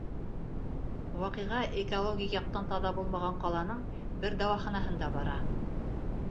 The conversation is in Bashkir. Ваҡиға экологик яҡтан таҙа булмаған ҡаланың бер дауаханаһында бара.